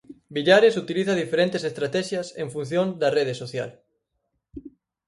Villares utiliza diferentes estratexias en función da rede social.